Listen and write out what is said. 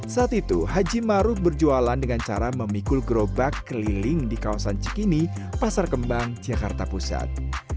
saat itu haji maruf berjualan dengan cara memikul gerobak keliling di kawasan cikini pasar kembang jakarta pusat